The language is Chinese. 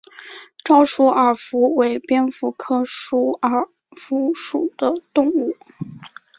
沼鼠耳蝠为蝙蝠科鼠耳蝠属的动物。